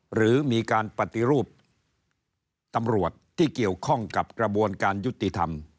หรือมีการปฏิรูปตำรวจที่เกี่ยวข้องกับกระบวนการยุติธรรม